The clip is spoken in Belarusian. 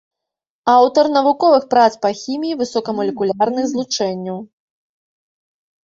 Аўтар навуковых прац па хіміі высокамалекулярных злучэнняў.